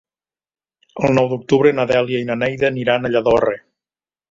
El nou d'octubre na Dèlia i na Neida aniran a Lladorre.